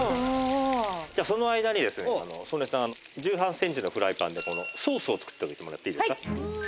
じゃあその間にですね曽根さん１８センチのフライパンでソースを作っておいてもらっていいですか？